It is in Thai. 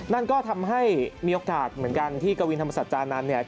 นั่นก็ทำให้มีโอกาสเหมือนกันที่กวินธรรมสัจจานันทร์เนี่ย